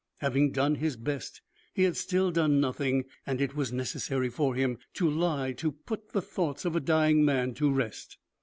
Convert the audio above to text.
Having done his best, he had still done nothing, and it was necessary for him to lie to put the thoughts of a dying man to rest.